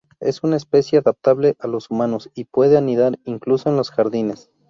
Es una especie adaptable a los humanos y puede anidar incluso en los jardines.